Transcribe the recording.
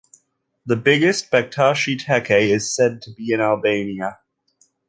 The biggest Bektashi tekke is said to be in Albania.